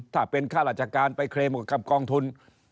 ถ้าเป็นข้าราชการไปเคลมกับกองทุน